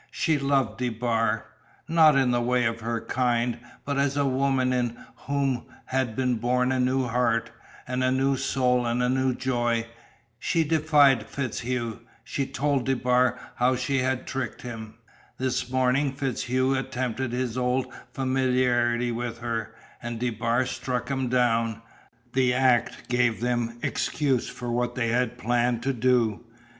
She loved DeBar not in the way of her kind, but as a woman in whom had been born a new heart and a new soul and a new joy. She defied FitzHugh; she told DeBar how she had tricked him. "This morning FitzHugh attempted his old familiarity with her, and DeBar struck him down. The act gave them excuse for what they had planned to do.